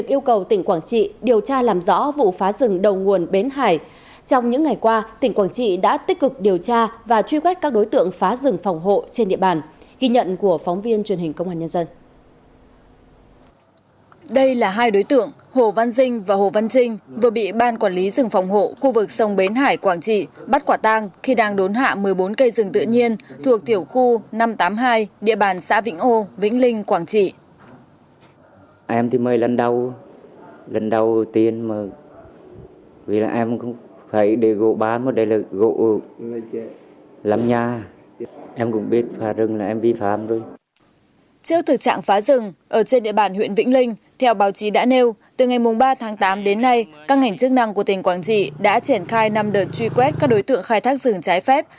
của tỉnh quảng trị đã triển khai năm đợt truy quét các đối tượng khai thác rừng trái phép